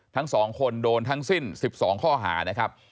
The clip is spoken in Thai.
ทั้ง๒คนโดนทั้งสิ้น๑๒ข้อหานะครับ